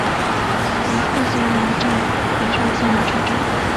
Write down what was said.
和贺仙人站北上线的车站。